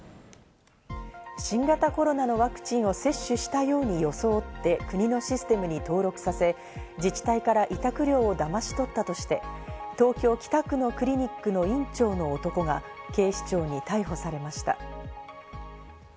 新型コロナのワクチンを接種したように装って、国のシステムに登録させ、自治体から委託料をだまし取ったとして、東京・北区のクリニックの院長の男が警視庁に逮捕されました。